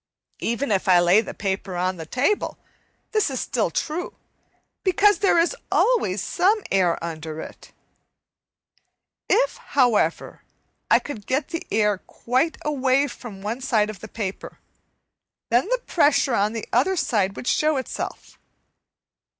Even if I lay the paper on the table this is still true, because there is always some air under it. If, however, I could get the air quite away from one side of the paper, then the pressure on the other side would show itself.